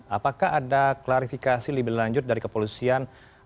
apakah ada klarifikasi lebih lanjut dari kepolisian